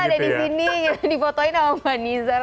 jadi kita ada di sini dipotohin sama mbak nizar